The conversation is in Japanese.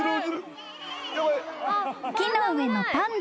［木の上のパンダ］